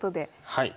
はい。